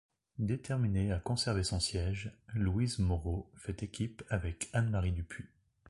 Déterminée à conserver son siège, Louise Moreau fait équipe avec Anne-Marie Dupuy.